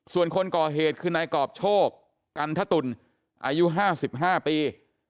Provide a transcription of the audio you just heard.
ส่วนคนก่อเหตุคือนายกรอบโชคกันทะตุลอายุ๕๕ปี